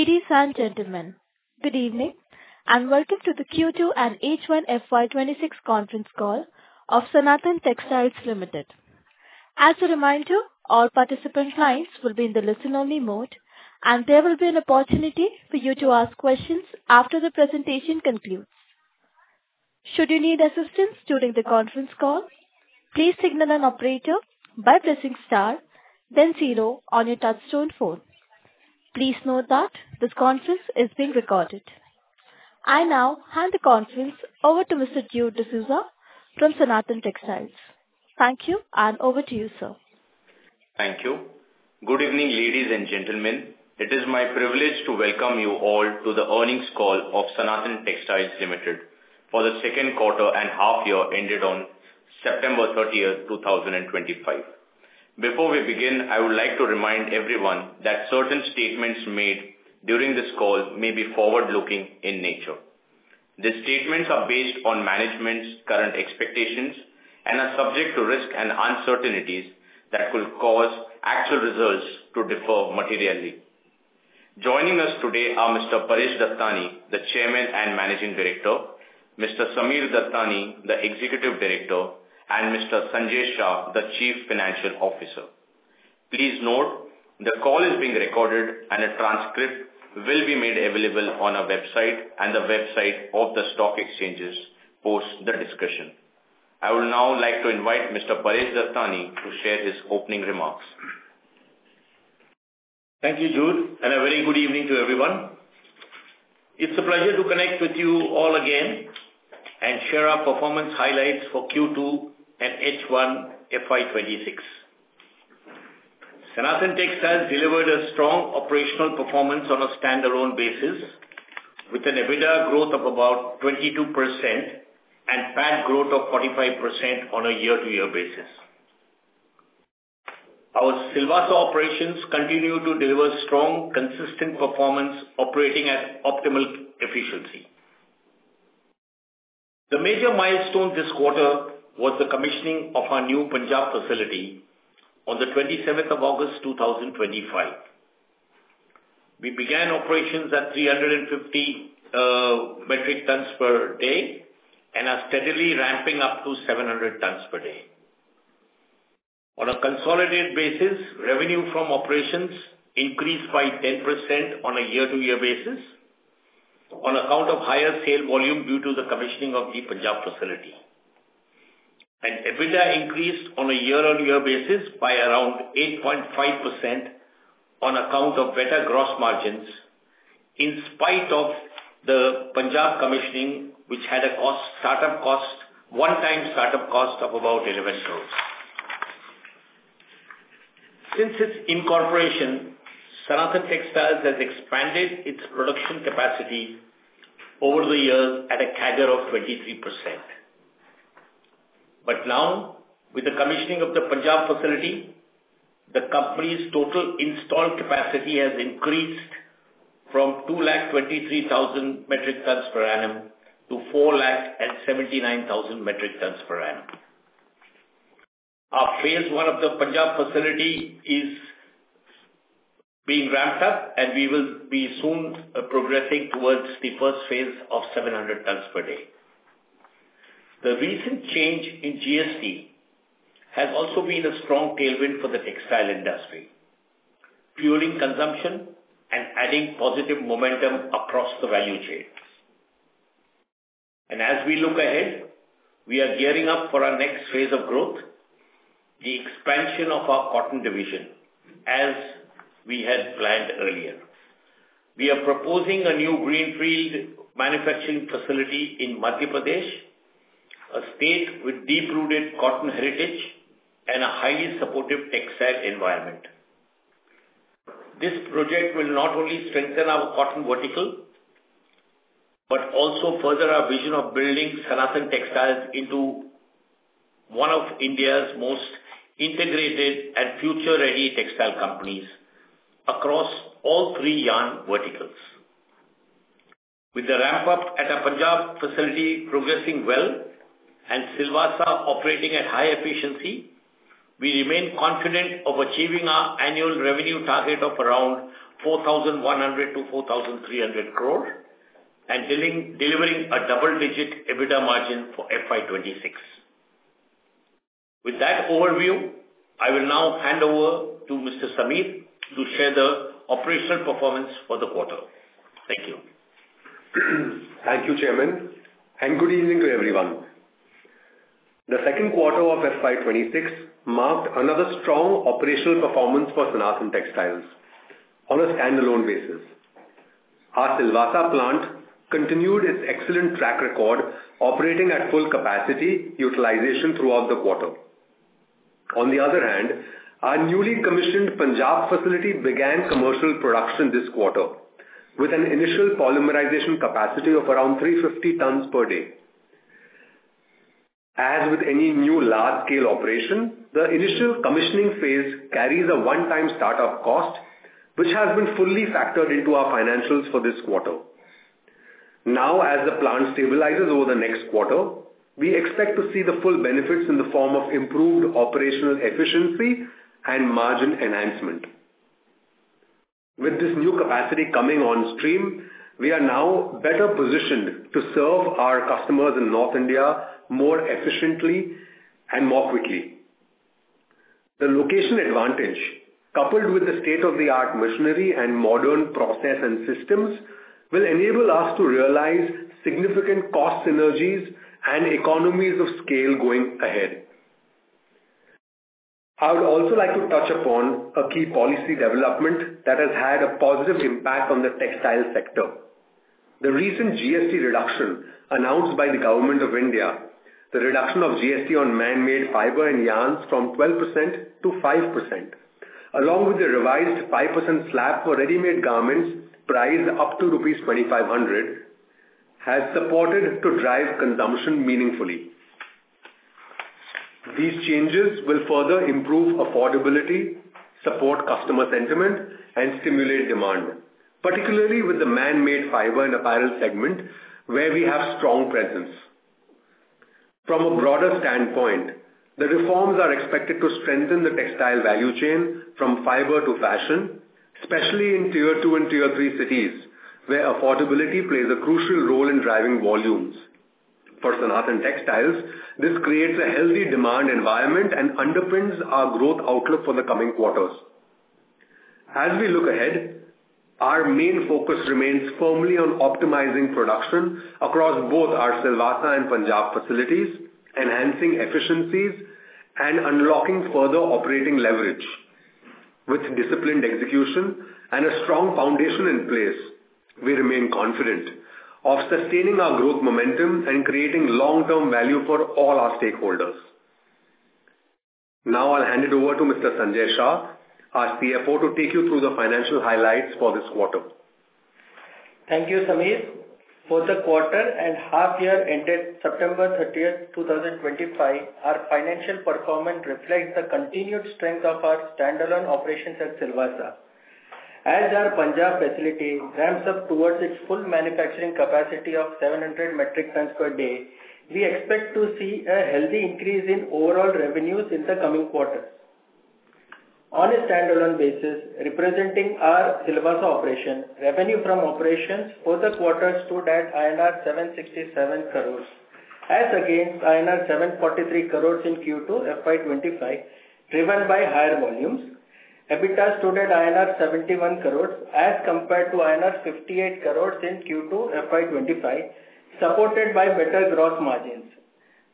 Ladies and gentlemen, good evening and welcome to the Q2 and H1FY26 conference call of Sanathan Textiles Limited. As a reminder, all participant lines will be in the listen-only mode, and there will be an opportunity for you to ask questions after the presentation concludes. Should you need assistance during the conference call, please signal an operator by pressing star then zero on your touch-tone phone. Please note that this conference is being recorded. I now hand the conference over to Mr. Sanjay Shah from Sanathan Textiles. Thank you, and over to you, sir. Thank you. Good evening, ladies and gentlemen. It is my privilege to welcome you all to the earnings call of Sanathan Textiles Limited for the second quarter and half year ended on September 30, 2025. Before we begin, I would like to remind everyone that certain statements made during this call may be forward-looking in nature. The statements are based on management's current expectations and are subject to risks and uncertainties that could cause actual results to differ materially. Joining us today are Mr. Paresh Dattani, the Chairman and Managing Director, Mr. Sammir Dattani, the Executive Director, and Mr. Sanjay Shah, the Chief Financial Officer. Please note, the call is being recorded, and a transcript will be made available on our website, and the website of the stock exchanges posts the discussion. I would now like to invite Mr. Paresh Dattani to share his opening remarks. Thank you, Sanjay, and a very good evening to everyone. It's a pleasure to connect with you all again and share our performance highlights for Q2 and H1FY26. Sanathan Textiles delivered a strong operational performance on a standalone basis, with an EBITDA growth of about 22% and PAT growth of 45% on a year-to-year basis. Our Silvassa operations continue to deliver strong, consistent performance, operating at optimal efficiency. The major milestone this quarter was the commissioning of our new Punjab facility on the 27th of August, 2025. We began operations at 350 metric tons per day and are steadily ramping up to 700 tons per day. On a consolidated basis, revenue from operations increased by 10% on a year-to-year basis on account of higher sale volume due to the commissioning of the Punjab facility. And EBITDA increased on a year-on-year basis by around 8.5% on account of better gross margins in spite of the Punjab commissioning, which had a startup cost, one-time startup cost of about 11 crores. Since its incorporation, Sanathan Textiles has expanded its production capacity over the years at a CAGR of 23%. But now, with the commissioning of the Punjab facility, the company's total installed capacity has increased from 223,000 metric tons per annum to 479,000 metric tons per annum. Our phase one of the Punjab facility is being ramped up, and we will be soon progressing towards the first phase of 700 tons per day. The recent change in GST has also been a strong tailwind for the textile industry, fueling consumption and adding positive momentum across the value chain. As we look ahead, we are gearing up for our next phase of growth, the expansion of our cotton division, as we had planned earlier. We are proposing a new greenfield manufacturing facility in Madhya Pradesh, a state with deep-rooted cotton heritage and a highly supportive textile environment. This project will not only strengthen our cotton vertical but also further our vision of building Sanathan Textiles into one of India's most integrated and future-ready textile companies across all three yarn verticals. With the ramp-up at our Punjab facility progressing well and Silvassa operating at high efficiency, we remain confident of achieving our annual revenue target of around 4,100-4,300 crore and delivering a double-digit EBITDA margin for FY26. With that overview, I will now hand over to Mr. Sammir to share the operational performance for the quarter. Thank you. Thank you, Chairman, and good evening to everyone. The second quarter of FY26 marked another strong operational performance for Sanathan Textiles on a standalone basis. Our Silvassa plant continued its excellent track record, operating at full capacity utilization throughout the quarter. On the other hand, our newly commissioned Punjab facility began commercial production this quarter with an initial polymerization capacity of around 350 tons per day. As with any new large-scale operation, the initial commissioning phase carries a one-time startup cost, which has been fully factored into our financials for this quarter. Now, as the plant stabilizes over the next quarter, we expect to see the full benefits in the form of improved operational efficiency and margin enhancement. With this new capacity coming on stream, we are now better positioned to serve our customers in North India more efficiently and more quickly. The location advantage, coupled with the state-of-the-art machinery and modern process and systems, will enable us to realize significant cost synergies and economies of scale going ahead. I would also like to touch upon a key policy development that has had a positive impact on the textile sector. The recent GST reduction announced by the Government of India, the reduction of GST on man-made fiber and yarns from 12% to 5%, along with the revised 5% slab for ready-made garments priced up to rupees 2,500, has supported to drive consumption meaningfully. These changes will further improve affordability, support customer sentiment, and stimulate demand, particularly with the man-made fiber and apparel segment, where we have strong presence. From a broader standpoint, the reforms are expected to strengthen the textile value chain from fiber to fashion, especially in tier two and tier three cities, where affordability plays a crucial role in driving volumes. For Sanathan Textiles, this creates a healthy demand environment and underpins our growth outlook for the coming quarters. As we look ahead, our main focus remains firmly on optimizing production across both our Silvassa and Punjab facilities, enhancing efficiencies, and unlocking further operating leverage. With disciplined execution and a strong foundation in place, we remain confident of sustaining our growth momentum and creating long-term value for all our stakeholders. Now, I'll hand it over to Mr. Sanjay Shah, our CFO, to take you through the financial highlights for this quarter. Thank you, Sammir. For the quarter and half year ended September 30, 2025, our financial performance reflects the continued strength of our standalone operations at Silvassa. As our Punjab facility ramps up towards its full manufacturing capacity of 700 metric tons per day, we expect to see a healthy increase in overall revenues in the coming quarter. On a standalone basis, representing our Silvassa operation, revenue from operations for the quarter stood at INR 767 crore, as against INR 743 crore in Q2 FY25, driven by higher volumes. EBITDA stood at INR 71 crore, as compared to INR 58 crore in Q2 FY25, supported by better gross margins.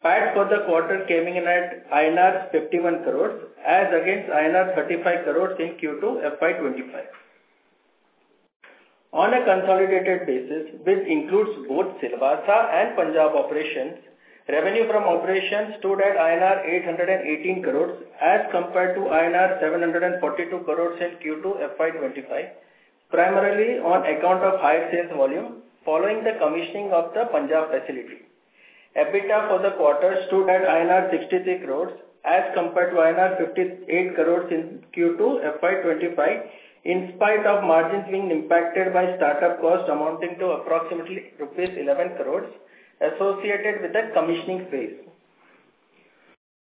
PAT for the quarter came in at INR 51 crore, as against INR 35 crore in Q2 FY25. On a consolidated basis, which includes both Silvassa and Punjab operations, revenue from operations stood at INR 818 crore, as compared to INR 742 crore in Q2 FY25, primarily on account of higher sales volume following the commissioning of the Punjab facility. EBITDA for the quarter stood at INR 63 crore, as compared to INR 58 crore in Q2 FY25, in spite of margins being impacted by startup cost amounting to approximately 11 crore rupees associated with the commissioning phase.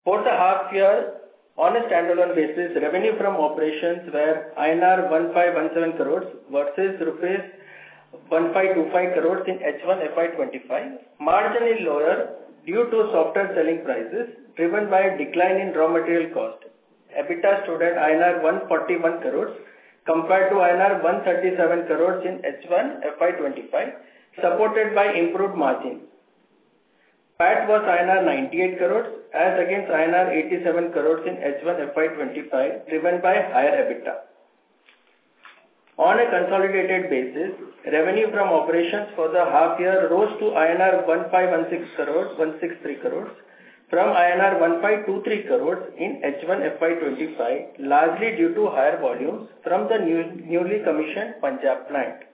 For the half year, on a standalone basis, revenue from operations were INR 1517 crore versus rupees 1525 crore in H1FY25. Margin is lower due to softer selling prices, driven by a decline in raw material cost. EBITDA stood at INR 141 crore, compared to INR 137 crore in H1FY25, supported by improved margins. PAT was INR 98 crore, as against INR 87 crore in H1FY25, driven by higher EBITDA. On a consolidated basis, revenue from operations for the half year rose to INR 1516 crore, from INR 1523 crore in H1FY25, largely due to higher volumes from the newly commissioned Punjab plant.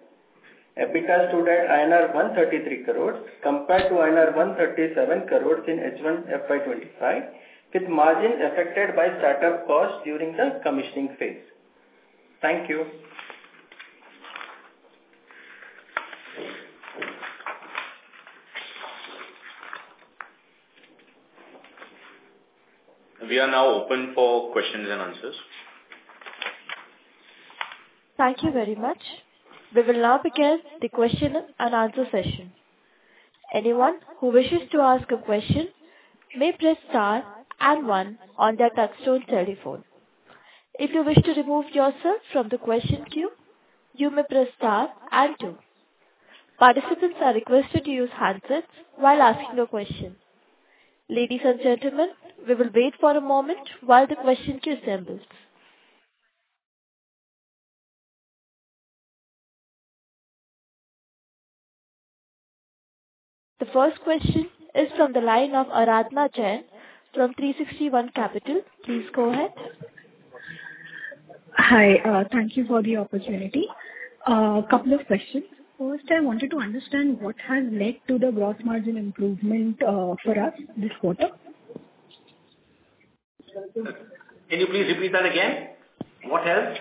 EBITDA stood at INR 133 crore, compared to INR 137 crore in H1FY25, with margin affected by startup cost during the commissioning phase. Thank you. We are now open for questions and answers. Thank you very much. We will now begin the question and answer session. Anyone who wishes to ask a question may press star and one on their touch-tone telephone. If you wish to remove yourself from the question queue, you may press star and two. Participants are requested to use handsets while asking a question. Ladies and gentlemen, we will wait for a moment while the question queue assembles. The first question is from the line of Aradhana Chen from 361 Capital. Please go ahead. Hi. Thank you for the opportunity. A couple of questions. First, I wanted to understand what has led to the gross margin improvement for us this quarter. Can you please repeat that again? What has?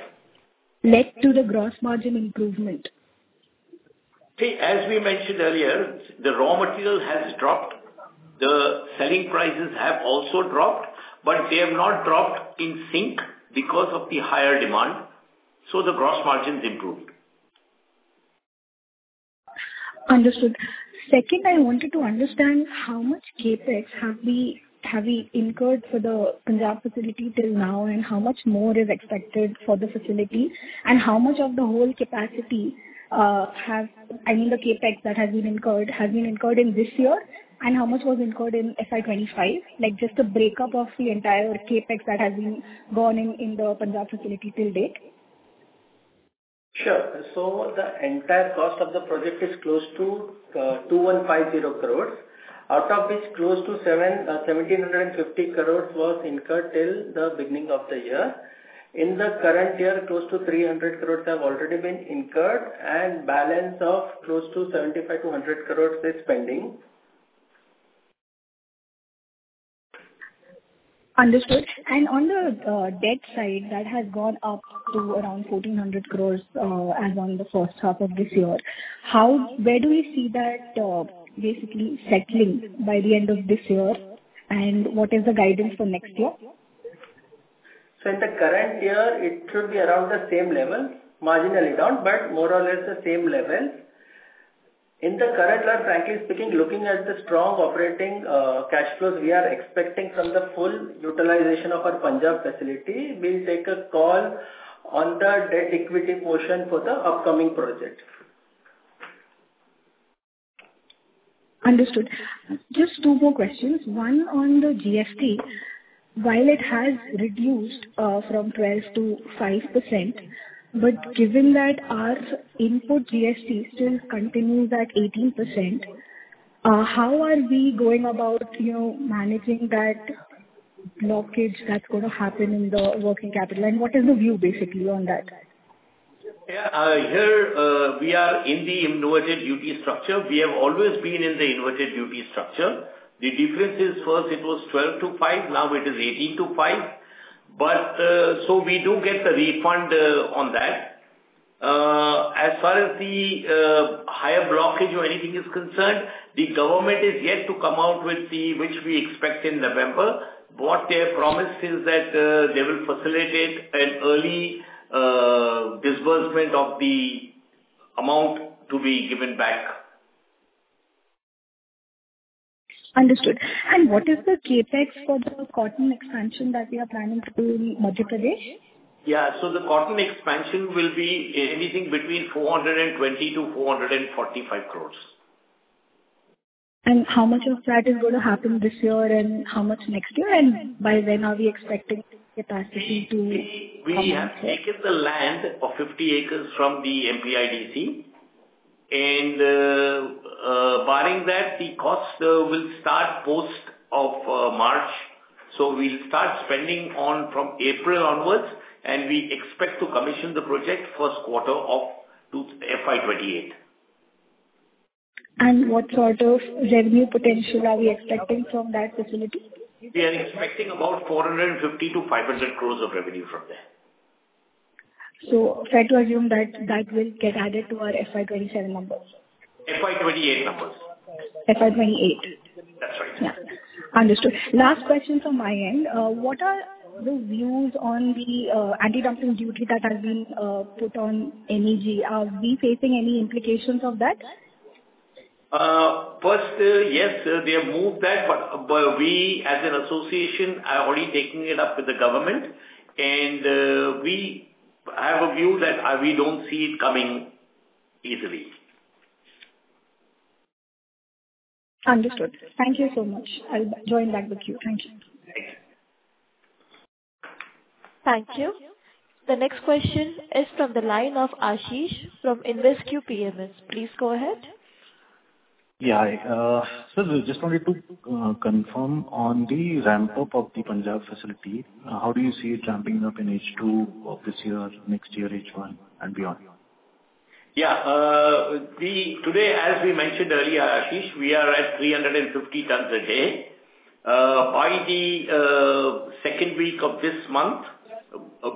Lead to the gross margin improvement? See, as we mentioned earlier, the raw material has dropped. The selling prices have also dropped, but they have not dropped in sync because of the higher demand. So the gross margin's improved. Understood. Second, I wanted to understand how much CAPEX have we incurred for the Punjab facility till now, and how much more is expected for the facility, and how much of the whole capacity has, I mean, the CAPEX that has been incurred, has been incurred in this year, and how much was incurred in FY 2025, like just a breakup of the entire CAPEX that has been gone in the Punjab facility till date? Sure. So the entire cost of the project is close to 2,150 crore, out of which close to 1,750 crore was incurred till the beginning of the year. In the current year, close to 300 crore have already been incurred, and balance of close to 75 to 100 crore is pending. Understood. And on the debt side, that has gone up to around 1,400 crore as on the first half of this year. Where do we see that basically settling by the end of this year, and what is the guidance for next year? So in the current year, it should be around the same level, marginally down, but more or less the same level. In the current year, frankly speaking, looking at the strong operating cash flows we are expecting from the full utilization of our Punjab facility, we'll take a call on the debt equity portion for the upcoming project. Understood. Just two more questions. One on the GST. While it has reduced from 12% to 5%, but given that our input GST still continues at 18%, how are we going about managing that blockage that's going to happen in the working capital? And what is the view, basically, on that? Yeah. Here, we are in the inverted duty structure. We have always been in the inverted duty structure. The difference is, first, it was 12% to 5%; now it is 18% to 5%. But so we do get the refund on that. As far as the higher blockage or anything is concerned, the government is yet to come out with which we expect in November. What they have promised is that they will facilitate an early disbursement of the amount to be given back. Understood. And what is the CAPEX for the cotton expansion that we are planning to do in Madhya Pradesh? Yeah. So the cotton expansion will be anything between 420 crore to 445 crore. And how much of that is going to happen this year and how much next year? And by when are we expecting capacity to come? We have taken the land of 50 acres from the MPIDC, and barring that, the cost will start post March. So we'll start spending from April onwards, and we expect to commission the project first quarter of FY28. What sort of revenue potential are we expecting from that facility? We are expecting about 450-500 crore of revenue from there. So fair to assume that that will get added to our FY27 numbers? FY28 numbers. FY28. That's right. Yeah. Understood. Last question from my end. What are the views on the anti-dumping duty that has been put on MEG? Are we facing any implications of that? First, yes, they have moved that, but we, as an association, are already taking it up with the government, and we have a view that we don't see it coming easily. Understood. Thank you so much. I'll join back with you. Thank you. Thank you. Thank you. The next question is from the line of Ashish from InvesQ PMS. Please go ahead. Yeah. Sir, just wanted to confirm on the ramp-up of the Punjab facility. How do you see it ramping up in H2 this year, next year, H1, and beyond? Yeah. Today, as we mentioned earlier, Ashish, we are at 350 tons a day. By the second week of this month,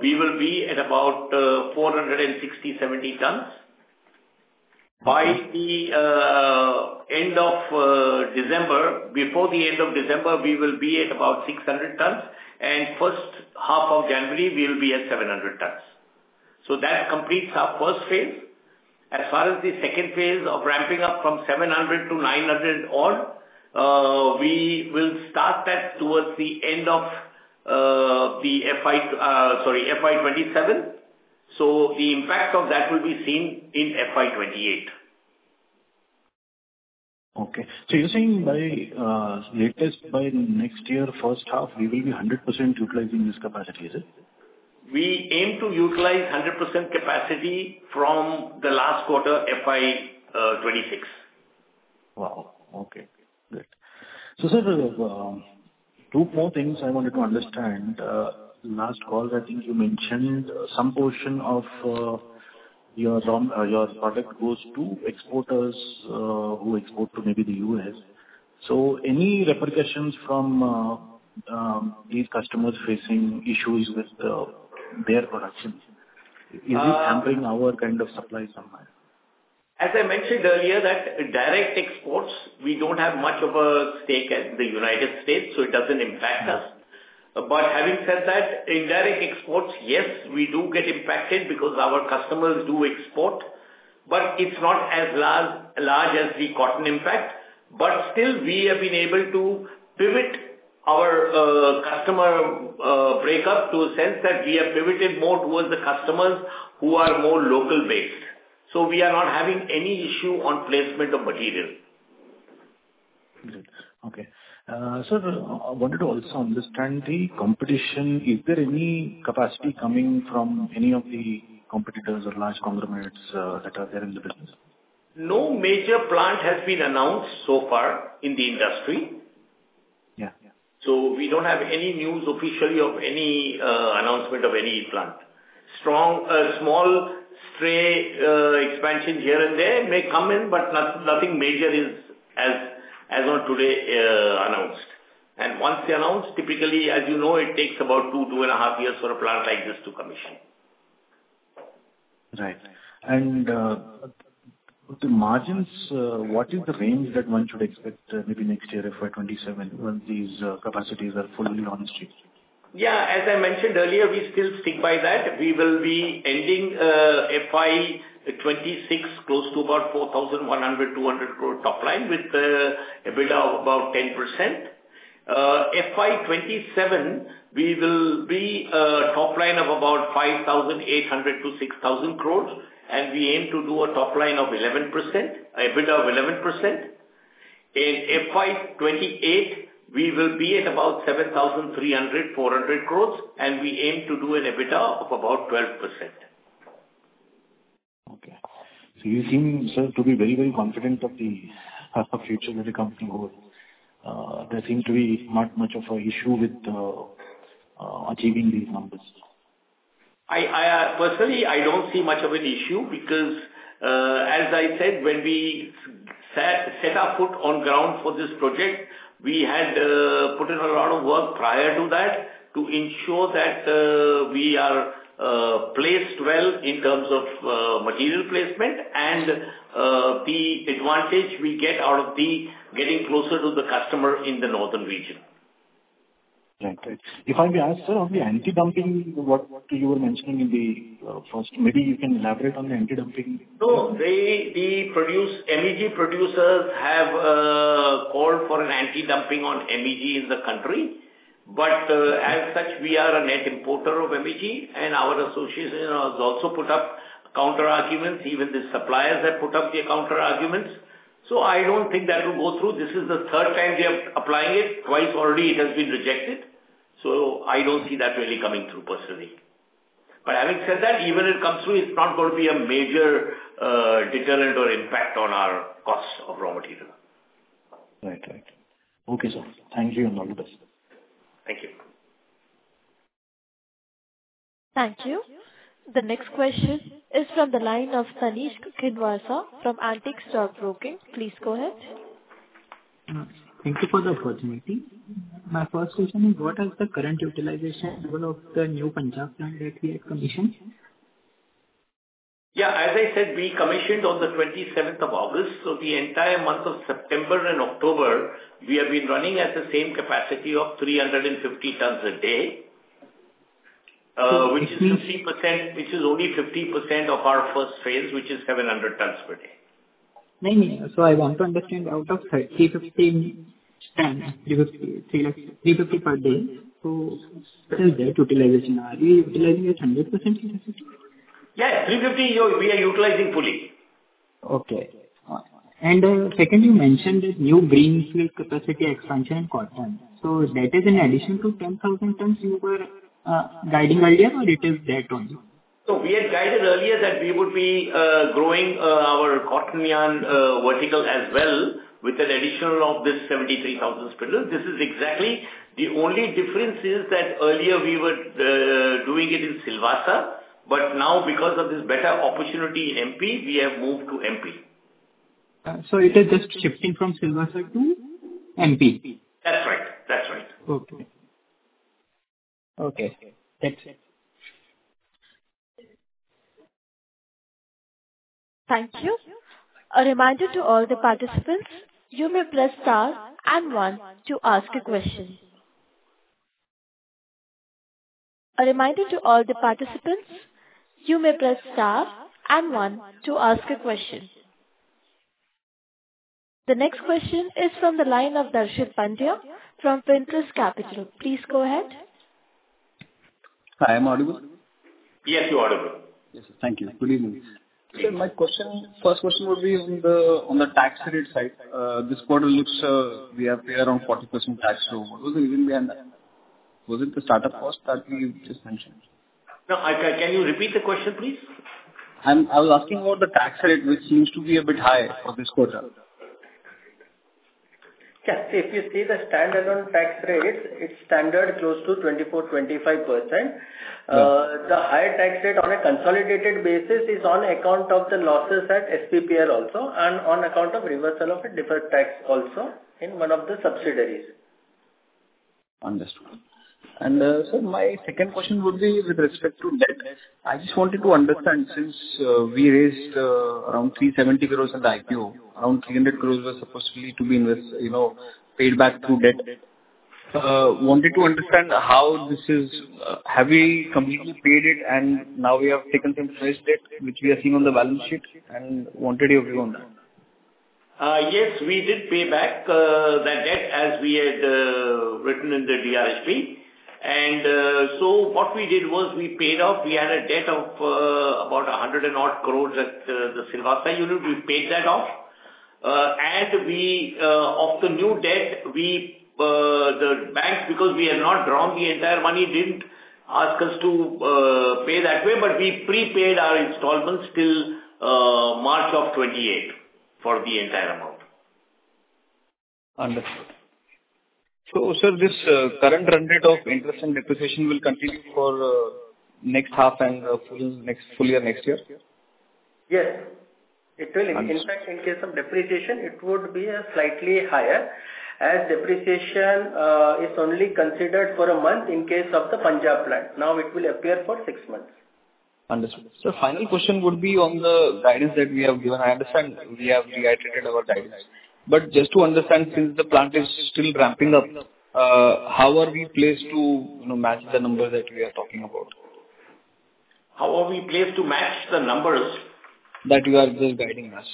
we will be at about 460-470 tons. By the end of December, before the end of December, we will be at about 600 tons, and first half of January, we'll be at 700 tons. So that completes our first phase. As far as the second phase of ramping up from 700 to 900 on, we will start that towards the end of the FY, sorry, FY27. So the impact of that will be seen in FY28. Okay. So you're saying by latest, by next year, first half, we will be 100% utilizing this capacity, is it? We aim to utilize 100% capacity from the last quarter, FY26. Wow. Okay. Good. So sir, two more things I wanted to understand. Last call, I think you mentioned some portion of your product goes to exporters who export to maybe the U.S. So any repercussions from these customers facing issues with their production? Is it hampering our kind of supply somehow? As I mentioned earlier, that direct exports, we don't have much of a stake at the United States, so it doesn't impact us. But having said that, indirect exports, yes, we do get impacted because our customers do export, but it's not as large as the cotton impact. But still, we have been able to pivot our customer breakup to a sense that we have pivoted more towards the customers who are more local-based. So we are not having any issue on placement of material. Good. Okay. Sir, I wanted to also understand the competition. Is there any capacity coming from any of the competitors or large conglomerates that are there in the business? No major plant has been announced so far in the industry, so we don't have any news officially of any announcement of any plant. Small stray expansions here and there may come in, but nothing major is, as of today, announced, and once they announce, typically, as you know, it takes about two, two and a half years for a plant like this to commission. Right. And the margins, what is the range that one should expect maybe next year, FY27, when these capacities are fully on the street? Yeah. As I mentioned earlier, we still stick by that. We will be ending FY26 close to about 4,100-4,200 crore top line with EBITDA of about 10%. FY27, we will be top line of about 5,800-6,000 crore, and we aim to do a top line of 11%, EBITDA of 11%. In FY28, we will be at about 7,300-7,400 crore, and we aim to do an EBITDA of about 12%. You seem, sir, to be very, very confident of the future that the company holds. There seems to be not much of an issue with achieving these numbers. Personally, I don't see much of an issue because, as I said, when we set our foot on the ground for this project, we had put in a lot of work prior to that to ensure that we are placed well in terms of material placement and the advantage we get out of getting closer to the customer in the northern region. Right. If I may ask, sir, on the anti-dumping, what you were mentioning in the first, maybe you can elaborate on the anti-dumping? No. The MEG producers have called for an anti-dumping on MEG in the country. But as such, we are a net importer of MEG, and our association has also put up counterarguments. Even the suppliers have put up the counterarguments. So I don't think that will go through. This is the third time they are applying it. Twice already, it has been rejected. So I don't see that really coming through, personally. But having said that, even if it comes through, it's not going to be a major deterrent or impact on our cost of raw material. Right. Right. Okay, sir. Thank you and all the best. Thank you. Thank you. The next question is from the line of Tanish Kukinwasa from Antique Stock Broking. Please go ahead. Thank you for the opportunity. My first question is, what is the current utilization level of the new Punjab plant that we have commissioned? Yeah. As I said, we commissioned on the 27th of August. So the entire month of September and October, we have been running at the same capacity of 350 tons a day, which is only 50% of our first phase, which is 700 tons per day. Thank you. So I want to understand, out of 350 tons because 350 per day, so still that utilization are you utilizing at 100%? Yeah. 350, we are utilizing fully. Okay. And second, you mentioned that new greenfield capacity expansion in cotton. So that is in addition to 10,000 tons you were guiding earlier, or it is that only? So we had guided earlier that we would be growing our cotton yarn vertical as well with an additional of this 73,000 spindle. This is exactly the only difference is that earlier we were doing it in Silvassa, but now because of this better opportunity in MP, we have moved to MP. So it is just shifting from Silvassa to MP? That's right. That's right. Okay. Okay. That's it. Thank you. A reminder to all the participants. You may press star and one to ask a question. The next question is from the line of Darshil Pandya from Finterest Capital. Please go ahead. Hi. Am I audible? Yes, you're audible. Yes. Thank you. Good evening. Sir, my question, first question would be on the tax rate side. This quarter looks we have around 40% tax rate. What was the reason behind that? Was it the startup cost that we just mentioned? No. Can you repeat the question, please? I was asking about the tax rate, which seems to be a bit high for this quarter. Yeah. If you see the standalone tax rate, it's standard close to 24%-25%. The higher tax rate on a consolidated basis is on account of the losses at SPPL also and on account of reversal of a different tax also in one of the subsidiaries. Understood. And sir, my second question would be with respect to debt. I just wanted to understand since we raised around 370 crores in the IPO, around 300 crores were supposedly to be paid back through debt. Wanted to understand how this is, have we completely paid it and now we have taken some surge debt, which we are seeing on the balance sheet, and wanted your view on that. Yes. We did pay back that debt as we had written in the DRHP. And so what we did was we paid off. We had a debt of about 100 and odd crores at the Silvassa unit. We paid that off. And of the new debt, the bank, because we had not drawn the entire money, didn't ask us to pay that way, but we prepaid our installments till March of 2028 for the entire amount. Understood. So sir, this current run rate of interest and depreciation will continue for next half and full year next year? Yes. It will. In fact, in case of depreciation, it would be slightly higher as depreciation is only considered for a month in case of the Punjab plant. Now it will appear for six months. Understood. Sir, final question would be on the guidance that we have given. I understand we have downgraded our guidance. But just to understand, since the plant is still ramping up, how are we placed to match the numbers that we are talking about? How are we placed to match the numbers? That you are just guiding us.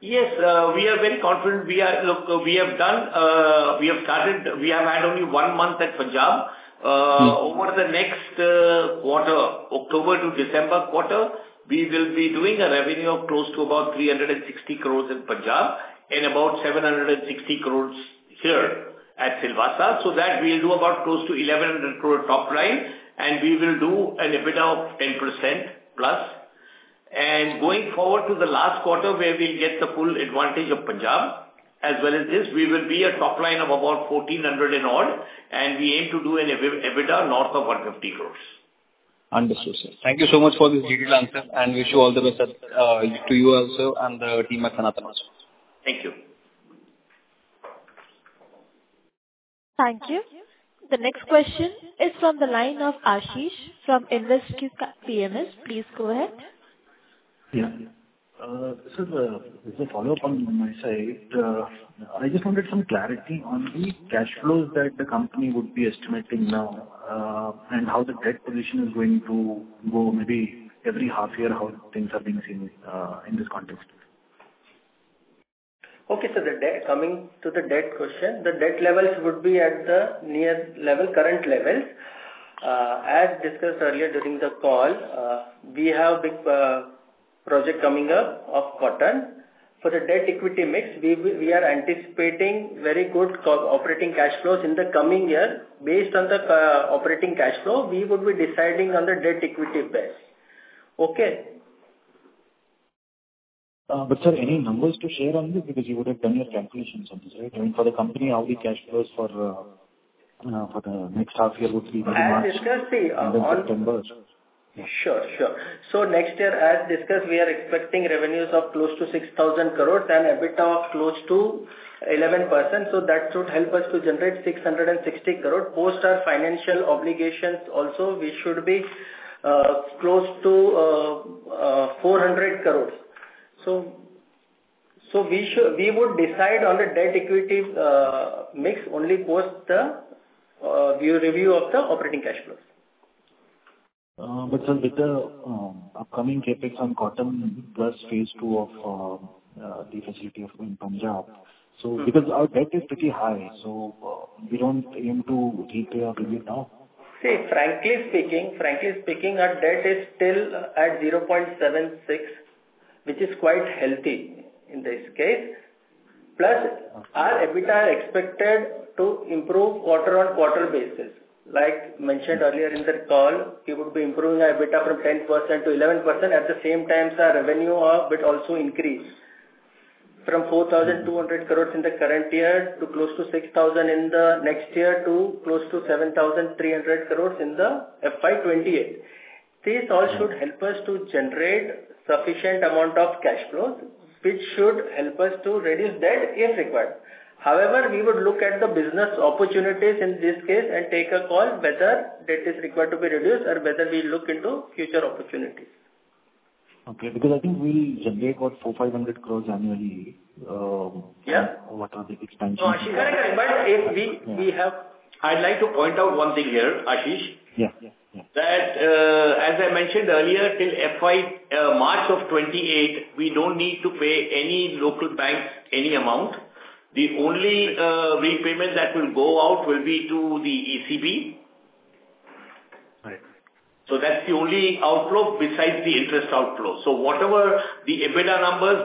Yes. We are very confident. Look, we have started. We have had only one month at Punjab. Over the next quarter, October to December quarter, we will be doing a revenue of close to about 360 crore in Punjab and about 760 crore here at Silvassa. So that we'll do about close to 1,100 crore top line, and we will do an EBITDA of 10% plus. Going forward to the last quarter, where we'll get the full advantage of Punjab as well as this, we will have a top line of about 1,400 and odd, and we aim to do an EBITDA north of 150 crore. Understood, sir. Thank you so much for this detailed answer, and wish you all the best to you also and the team at Sanathan as well. Thank you. Thank you. The next question is from the line of Ashish from InvesQ PMS. Please go ahead. Yeah. Sir, just a follow-up on my side. I just wanted some clarity on the cash flows that the company would be estimating now and how the debt position is going to go maybe every half year, how things are being seen in this context? Okay. So the debt coming to the debt question, the debt levels would be at the near level, current levels. As discussed earlier during the call, we have a big project coming up of cotton. For the debt equity mix, we are anticipating very good operating cash flows in the coming year. Based on the operating cash flow, we would be deciding on the debt equity base. Okay? But sir, any numbers to share on this? Because you would have done your calculations on this, right? I mean, for the company, how the cash flows for the next half year would be very much in the month of September. Sure. Sure. So next year, as discussed, we are expecting revenues of close to 6,000 crore and EBITDA of close to 11%. So that should help us to generate 660 crore. Post our financial obligations also, we should be close to 400 crore. So we would decide on the debt equity mix only post the review of the operating cash flows. But sir, with the upcoming CAPEX on cotton plus phase two of the facility in Punjab, because our debt is pretty high, so we don't aim to repay it now? See, frankly speaking, our debt is still at 0.76, which is quite healthy in this case. Plus, our EBITDA is expected to improve quarter-on-quarter basis. Like mentioned earlier in the call, we would be improving our EBITDA from 10% to 11%. At the same time, our revenue bit also increased from 4,200 crores in the current year to close to 6,000 in the next year to close to 7,300 crores in the FY28. This all should help us to generate sufficient amount of cash flows, which should help us to reduce debt if required. However, we would look at the business opportunities in this case and take a call whether debt is required to be reduced or whether we look into future opportunities. Okay. Because I think we'll generate about 4,500 crores annually. What are the expansions? No, but I'd like to point out one thing here, Ashish, that as I mentioned earlier, till March of 2028, we don't need to pay any local bank any amount. The only repayment that will go out will be to the ECB. So that's the only outflow besides the interest outflow. So whatever the EBITDA numbers,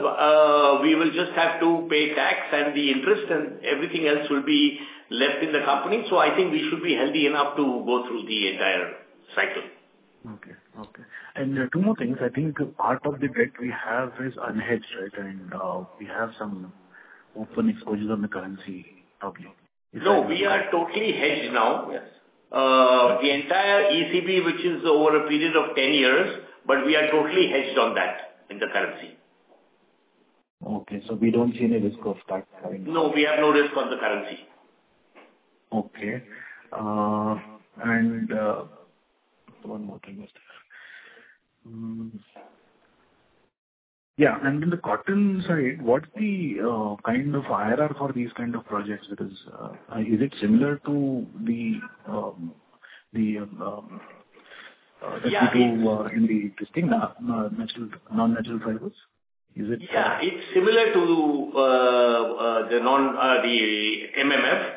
we will just have to pay tax and the interest, and everything else will be left in the company. So I think we should be healthy enough to go through the entire cycle. And two more things. I think part of the debt we have is unhedged, right? And we have some open exposures on the currency probably. No. We are totally hedged now. The entire ECB, which is over a period of 10 years, but we are totally hedged on that in the currency. Okay. So we don't see any risk of that having? No. We have no risk on the currency. Okay. And one more thing was there. Yeah. And in the cotton side, what's the kind of IRR for these kind of projects? Is it similar to the POY in the existing non-natural fibers? Is it? Yeah. It's similar to the MMF.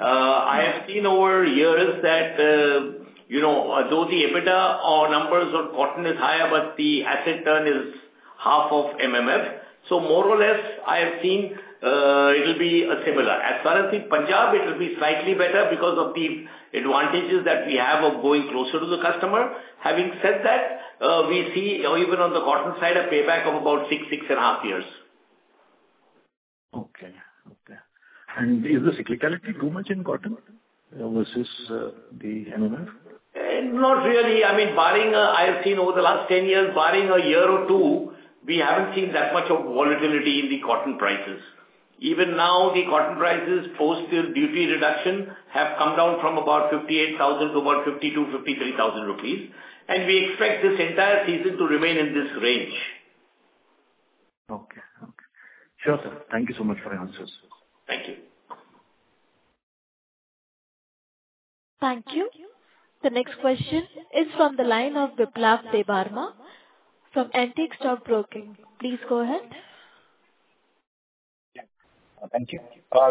I have seen over years that though the EBITDA numbers on cotton is higher, but the asset turn is half of MMF. So more or less, I have seen it will be similar. As far as the Punjab, it will be slightly better because of the advantages that we have of going closer to the customer. Having said that, we see even on the cotton side, a payback of about six, six and a half years. Okay. Okay. And is the cyclicality too much in cotton versus the MMF? Not really. I mean, I have seen over the last 10 years, barring a year or two, we haven't seen that much of volatility in the cotton prices. Even now, the cotton prices post duty reduction have come down from about 58,000 to about 52,000-53,000 rupees. And we expect this entire season to remain in this range. Okay. Okay. Sure, sir. Thank you so much for your answers. Thank you. Thank you. The next question is from the line of Biplab Debbarma from Antique Stock Broking. Please go ahead. Thank you.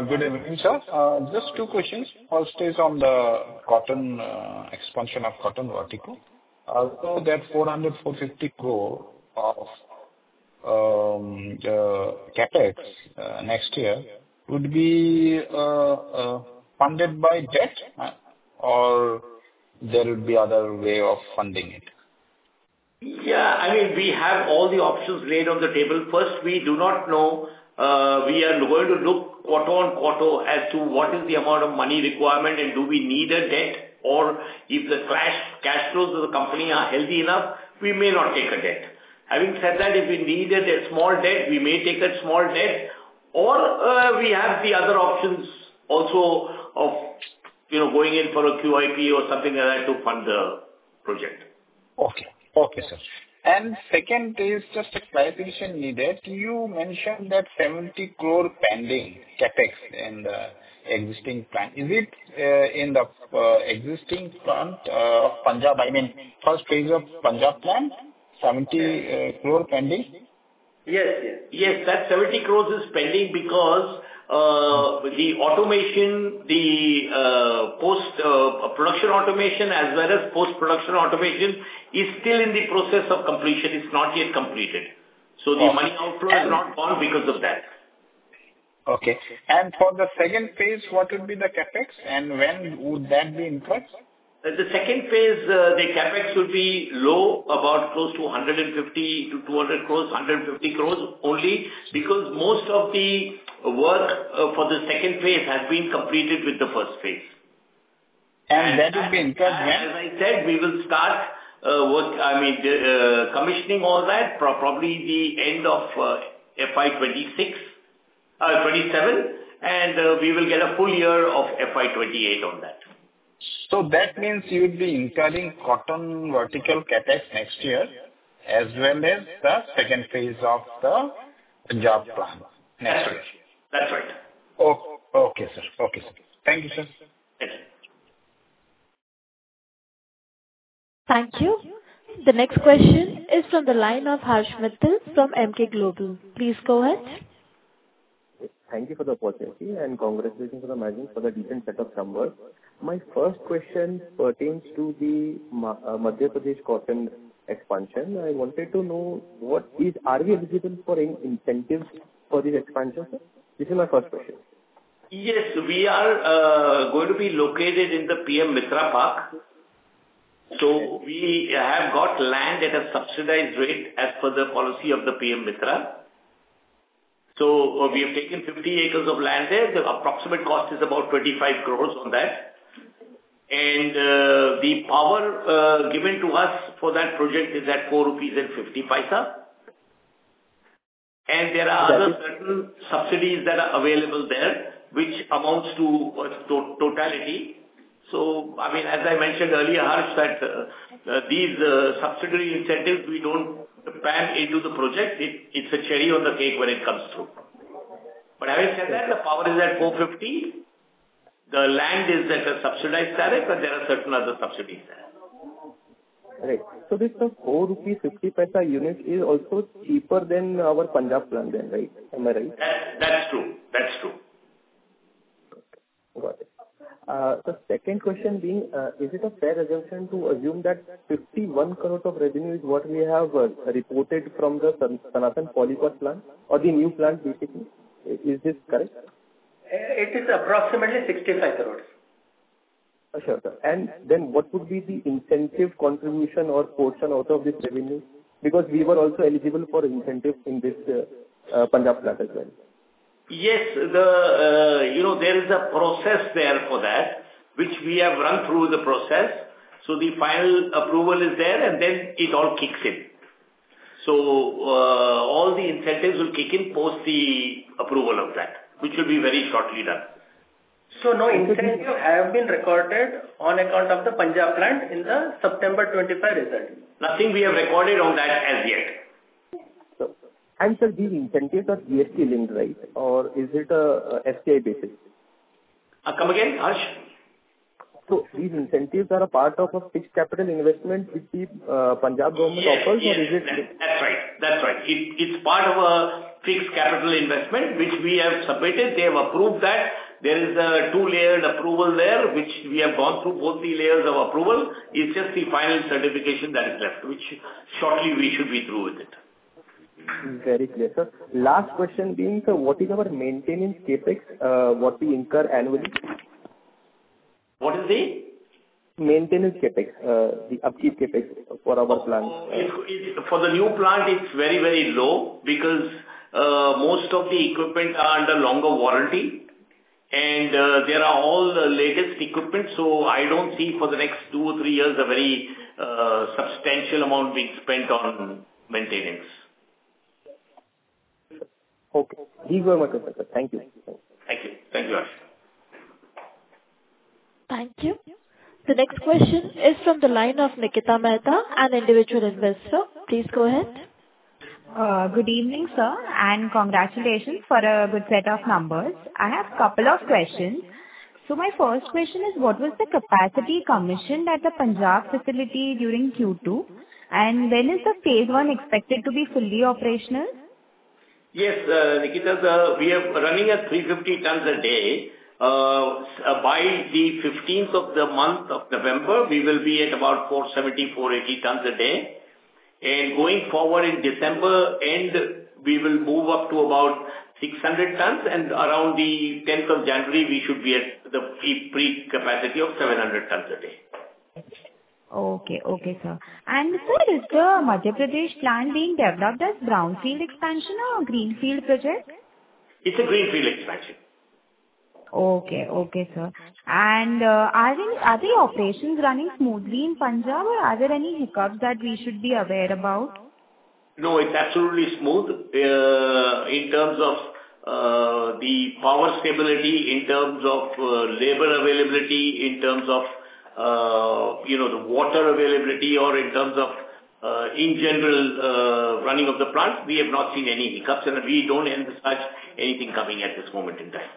Good evening, sir. Just two questions. First is on the cotton expansion of cotton vertical. So that 400-450 crore of CapEx next year would be funded by debt, or there would be other way of funding it? Yeah. I mean, we have all the options laid on the table. First, we do not know. We are going to look quarter on quarter as to what is the amount of money requirement, and do we need a debt? Or if the cash flows of the company are healthy enough, we may not take a debt. Having said that, if we needed a small debt, we may take a small debt. Or we have the other options also of going in for a QIP or something like that to fund the project. Okay. Okay, sir. And second is just a clarification needed. You mentioned that 70 crore pending CapEx in the existing plan. Is it in the existing plan of Punjab, I mean, first phase of Punjab plan, 70 crore pending? Yes. Yes. Yes. That 70 crores is pending because the automation, the post-production automation as well as post-production automation is still in the process of completion. It's not yet completed. So the money outflow has not gone because of that. Okay. And for the second phase, what would be the CapEx? And when would that be increased? The second phase, the CapEx would be low, about close to 150-200 crores, 150 crores only, because most of the work for the second phase has been completed with the first phase. That will be increased when? As I said, we will start, I mean, commissioning all that probably the end of FY27, and we will get a full year of FY28 on that. So that means you would be incurring cotton vertical CAPEX next year as well as the second phase of the Punjab plan next year? Yes. That's right. Okay, sir. Okay, sir. Thank you, sir. Thank you. Thank you. The next question is from the line of Harsh Mittal from Emkay Global. Please go ahead. Thank you for the opportunity and congratulations for the decent set of numbers. My first question pertains to the Madhya Pradesh cotton expansion. I wanted to know, are we eligible for any incentives for the expansion? This is my first question. Yes. We are going to be located in the PM MITRA Park. So we have got land at a subsidized rate as per the policy of the PM MITRA. So we have taken 50 acres of land there. The approximate cost is about 25 crore on that. And the power given to us for that project is at 4.50 rupees. And there are other subsidies that are available there, which amounts to totality. So I mean, as I mentioned earlier, Harsh, that these subsidiary incentives, we don't bake into the project. It's a cherry on the cake when it comes through. But having said that, the power is at 4.50. The land is at a subsidized tariff, but there are certain other subsidies there. Right. So this 4.50 rupees unit is also cheaper than our Punjab plan then, right? Am I right? That's true. That's true. Got it. The second question being, is it a fair assumption to assume that 51 crores of revenue is what we have reported from the Sanathan Polycot plant or the new plant, basically? Is this correct? It is approximately 65 crores. Sure. And then what would be the incentive contribution or portion out of this revenue? Because we were also eligible for incentive in this Punjab plant as well. Yes. There is a process there for that, which we have run through the process. So the final approval is there, and then it all kicks in. So all the incentives will kick in post the approval of that, which will be very shortly done. No incentives have been recorded on account of the Punjab plant in the September 25 result? Nothing we have recorded on that as yet. Sir, these incentives are GST-linked, right? Or is it a PLI basis? Come again, Harsh? So these incentives are a part of a fixed capital investment which the Punjab government offers, or is it? That's right. That's right. It's part of a fixed capital investment which we have submitted. They have approved that. There is a two-layered approval there, which we have gone through both the layers of approval. It's just the final certification that is left, which shortly we should be through with it. Very clear, sir. Last question being, sir, what is our maintenance CapEx? What we incur annually? What is the? Maintenance CapEx, the upkeep CapEx for our plant? For the new plant, it's very, very low because most of the equipment are under longer warranty, and there are all the latest equipment, so I don't see for the next two or three years a very substantial amount being spent on maintenance. Okay. Thank you very much, sir. Thank you. Thank you. Thank you, Harsh. Thank you. The next question is from the line of Nikita Mehta, an individual investor. Please go ahead. Good evening, sir, and congratulations for a good set of numbers. I have a couple of questions, so my first question is, what was the capacity commissioned at the Punjab facility during Q2, and when is the phase one expected to be fully operational? Yes. Nikita, we are running at 350 tons a day. By the 15th of the month of November, we will be at about 470-480 tons a day. And going forward in December, we will move up to about 600 tons. And around the 10th of January, we should be at the peak capacity of 700 tons a day. Okay. Okay, sir. And sir, is the Madhya Pradesh plan being developed as brownfield expansion or a greenfield project? It's a greenfield expansion. Okay. Okay, sir. And are the operations running smoothly in Punjab, or are there any hiccups that we should be aware about? No. It's absolutely smooth in terms of the power stability, in terms of labor availability, in terms of the water availability, or in terms of, in general, running of the plant. We have not seen any hiccups, and we don't anticipate anything coming at this moment in time.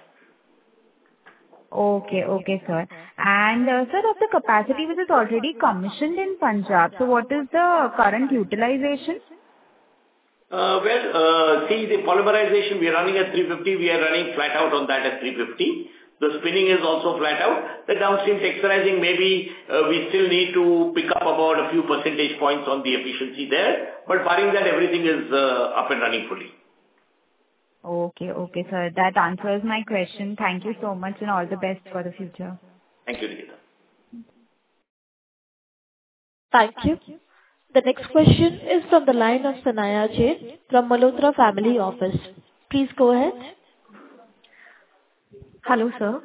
Okay. Okay, sir. And sir, of the capacity, which is already commissioned in Punjab, so what is the current utilization? See, the polymerization, we are running at 350. We are running flat out on that at 350. The spinning is also flat out. The downstream texturizing, maybe we still need to pick up about a few percentage points on the efficiency there. But barring that, everything is up and running fully. Okay. Okay, sir. That answers my question. Thank you so much, and all the best for the future. Thank you, Nikita. Thank you. The next question is from the line of Satyajit from Malhotra Family Office. Please go ahead. Hello, sir.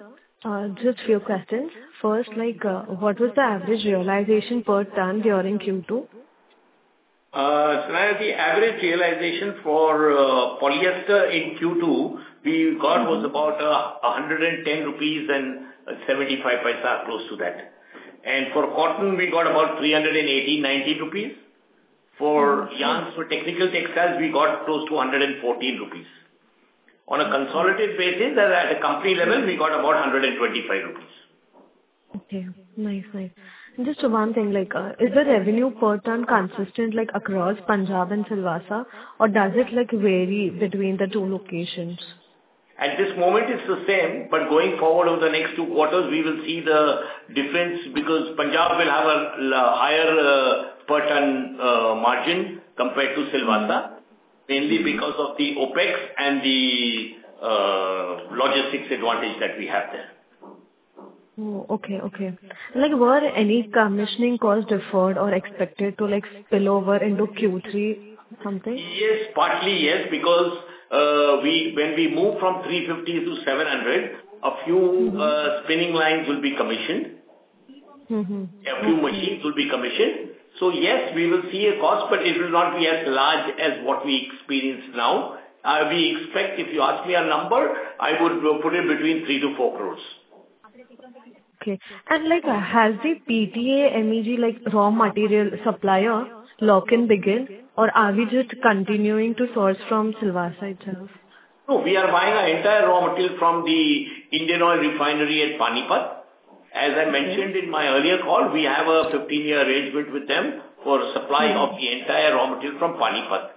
Just a few questions. First, what was the average realization per ton during Q2? Satyajit, the average realization for polyester in Q2 we got was about 110.75 rupees, close to that. And for cotton, we got about 380.90 rupees. For yarns, for technical textiles, we got close to 114 rupees. On a consolidated basis, at a company level, we got about 125 rupees. Okay. Nice. Nice. And just one thing, is the revenue per ton consistent across Punjab and Silvassa, or does it vary between the two locations? At this moment, it's the same, but going forward over the next two quarters, we will see the difference because Punjab will have a higher per ton margin compared to Silvassa, mainly because of the OpEx and the logistics advantage that we have there. Were any commissioning costs deferred or expected to spill over into Q3 something? Yes. Partly, yes. Because when we move from 350 to 700, a few spinning lines will be commissioned. A few machines will be commissioned. So yes, we will see a cost, but it will not be as large as what we experience now. We expect, if you ask me a number, I would put it between 3-4 crores. Okay. And has the PTA MEG raw material supplier lock-in begun, or are we just continuing to source from Silvassa itself? No. We are buying our entire raw material from the Indian Oil Refinery at Panipat. As I mentioned in my earlier call, we have a 15-year arrangement with them for supply of the entire raw material from Panipat.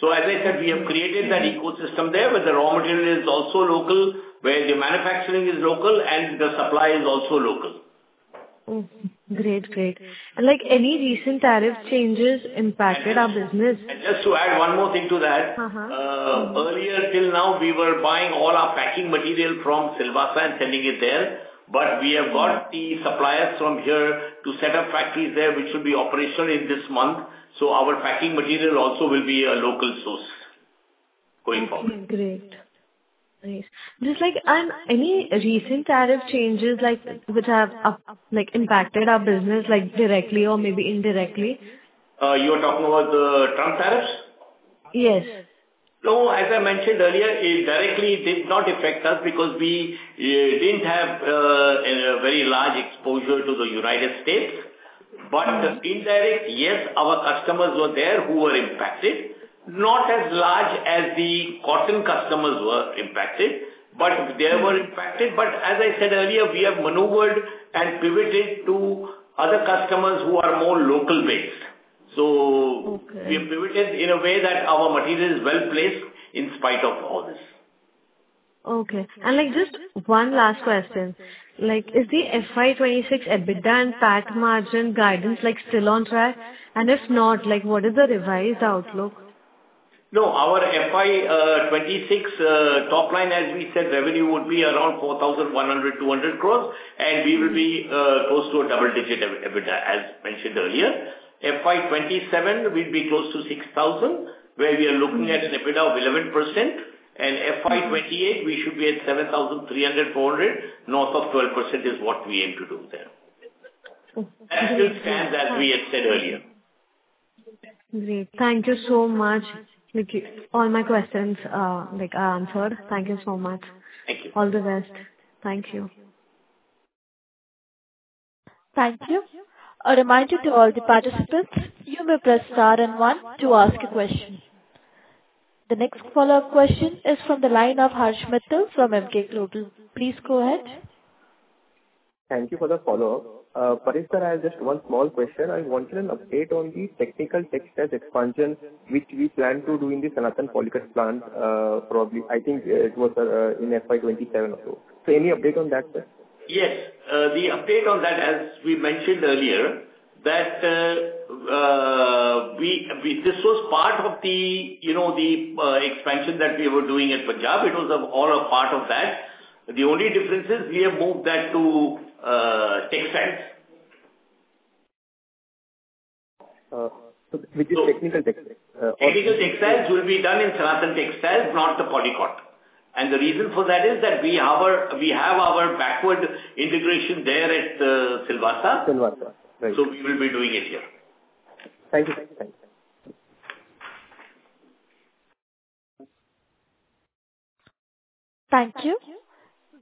So as I said, we have created that ecosystem there where the raw material is also local, where the manufacturing is local, and the supply is also local. Great. Great. And any recent tariff changes impacted our business? Just to add one more thing to that, earlier till now, we were buying all our packing material from Silvassa and sending it there. But we have got the suppliers from here to set up factories there, which will be operational in this month. So our packing material also will be a local source going forward. Okay. Great. Nice. And any recent tariff changes which have impacted our business directly or maybe indirectly? You are talking about the Trump tariffs? Yes. No. As I mentioned earlier, it directly did not affect us because we didn't have a very large exposure to the United States. But indirect, yes, our customers were there who were impacted. Not as large as the cotton customers were impacted, but they were impacted. But as I said earlier, we have maneuvered and pivoted to other customers who are more local-based. So we have pivoted in a way that our material is well placed in spite of all this. Okay. And just one last question. Is the FY26 EBITDA and PAT margin guidance still on track? And if not, what is the revised outlook? No. Our FY26 top line, as we said, revenue would be around 4,100-4,200 crores, and we will be close to a double-digit EBITDA, as mentioned earlier. FY27, we'll be close to 6,000 crores, where we are looking at an EBITDA of 11%. And FY28, we should be at 7,300-7,400 crores. North of 12% is what we aim to do there. That still stands as we had said earlier. Great. Thank you so much. All my questions are answered. Thank you so much. Thank you. All the best. Thank you. Thank you. A reminder to all the participants, you may press star and one to ask a question. The next follow-up question is from the line of Harsh Mittal from Emkay Global. Please go ahead. Thank you for the follow-up. Paresh sir, I have just one small question. I wanted an update on the technical textile expansion, which we plan to do in the Sanathan Polycot plant, probably. I think it was in FY27 or so. So any update on that, sir? Yes. The update on that, as we mentioned earlier, that this was part of the expansion that we were doing at Punjab. It was all a part of that. The only difference is we have moved that to textiles. Which is Technical Textiles? Technical textiles will be done in Sanathan Textiles, not the Polycot. The reason for that is that we have our backward integration there at Silvassa. Silvasa. Right. We will be doing it here. Thank you. Thank you. Thank you. Thank you.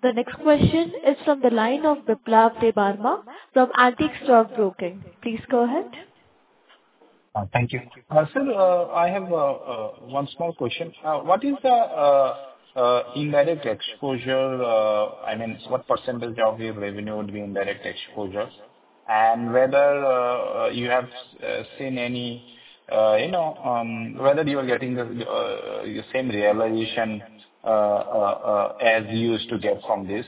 The next question is from the line of Biplab Debbarma from Antique Stock Broking. Please go ahead. Thank you. Sir, I have one small question. What is the indirect exposure? I mean, what percentage of your revenue would be indirect exposure? And whether you are getting the same realization as used to get from these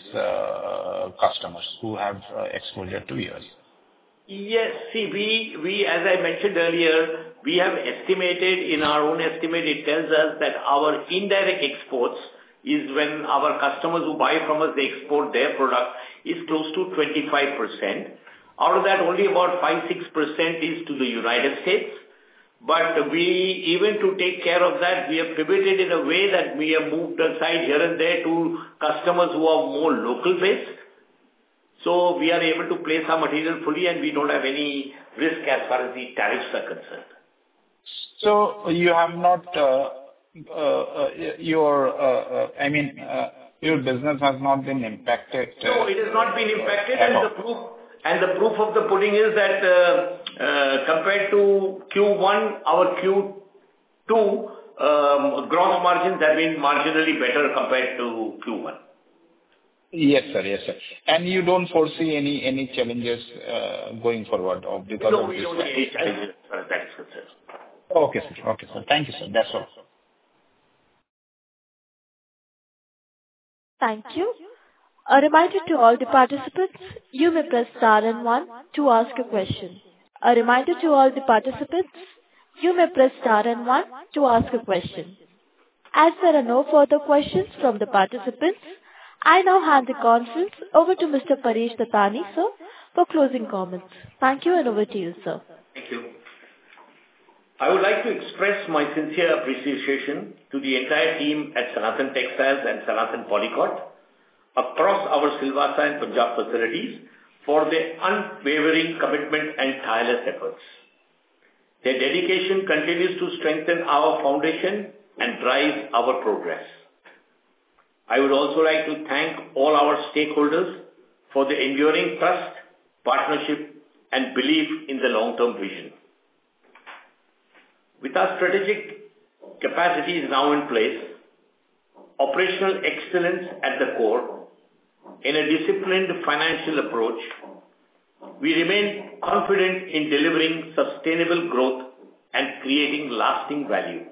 customers who have exposure to you? Yes. See, as I mentioned earlier, we have estimated in our own estimate, it tells us that our indirect exports is when our customers who buy from us, they export their product, is close to 25%. Out of that, only about 5%-6% is to the United States. But even to take care of that, we have pivoted in a way that we have moved aside here and there to customers who are more local-based. So we are able to place our material fully, and we don't have any risk as far as the tariffs are concerned. I mean, your business has not been impacted. No. It has not been impacted, and the proof of the pudding is that compared to Q1, our Q2 gross margins have been marginally better compared to Q1. Yes, sir. Yes, sir. And you don't foresee any challenges going forward because of these tariffs? No. We don't see any challenges as far as that is concerned. Okay, sir. Okay, sir. Thank you, sir. That's all. Thank you. A reminder to all the participants, you may press star and one to ask a question. As there are no further questions from the participants, I now hand the conference over to Mr. Paresh Dattani, sir, for closing comments. Thank you, and over to you, sir. Thank you. I would like to express my sincere appreciation to the entire team at Sanathan Textiles and Sanathan Polycot across our Silvassa and Punjab facilities for their unwavering commitment and tireless efforts. Their dedication continues to strengthen our foundation and drive our progress. I would also like to thank all our stakeholders for the enduring trust, partnership, and belief in the long-term vision. With our strategic capacities now in place, operational excellence at the core, and a disciplined financial approach, we remain confident in delivering sustainable growth and creating lasting value.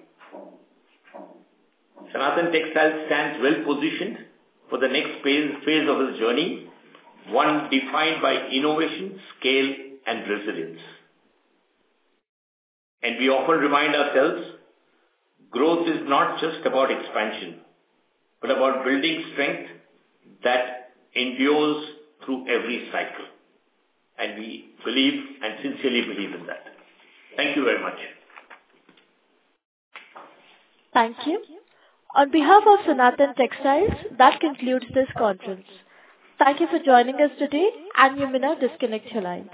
Sanathan Textiles stands well positioned for the next phase of its journey, one defined by innovation, scale, and resilience. And we often remind ourselves, growth is not just about expansion, but about building strength that endures through every cycle. And we believe and sincerely believe in that. Thank you very much. Thank you. On behalf of Sanathan Textiles, that concludes this conference. Thank you for joining us today. You may now disconnect your lines.